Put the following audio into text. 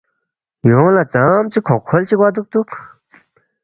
یونگ لہ ژامژے کھوقکھول چی گوا دُوکتُوک